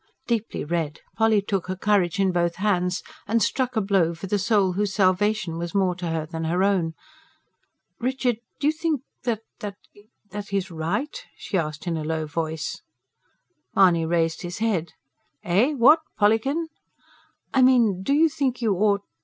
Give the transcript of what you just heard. Deeply red, Polly took her courage in both hands, and struck a blow for the soul whose salvation was more to her than her own. "Richard, do you think that ... is ... is right?" she asked in a low voice. Mahony raised his head. "Eh? what, Pollykin?" "I mean, do you think you ought